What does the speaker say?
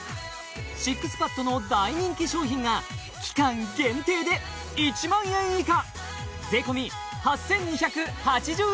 ＳＩＸＰＡＤの大人気商品が期間限定で１万円以下！